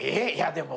でも。